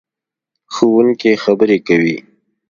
ښوونکې خبرې کوي.